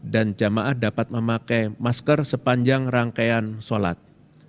dan jemaah dapat memakai masker sepanjang rangkaian solat